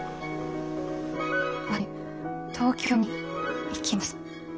私東京に行きます。